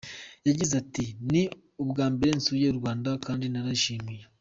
Yagize ati “Ni ubwa mbere nsuye u Rwanda kandi narahishimiye.